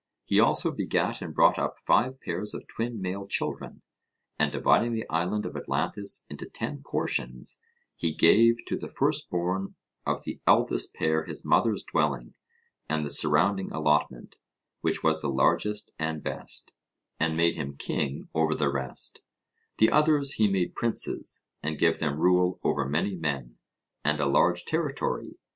He also begat and brought up five pairs of twin male children; and dividing the island of Atlantis into ten portions, he gave to the first born of the eldest pair his mother's dwelling and the surrounding allotment, which was the largest and best, and made him king over the rest; the others he made princes, and gave them rule over many men, and a large territory.